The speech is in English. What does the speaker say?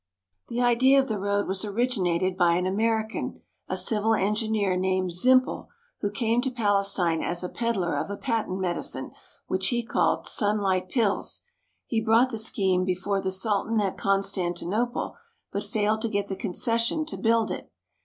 The idea of the road was originated by an American, a civil engineer named Zimpel, who came to Palestine as a ped lar of a patent medicine which he called "Sunlight Pills. " He brought the scheme before the Sultan at Constantinople, but failed to get the concession to build it.